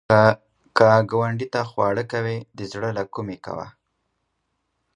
که ګاونډي ته خواړه کوې، د زړه له کومي کوه